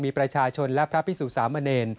มีประชาชนและพระพิสุสามเณร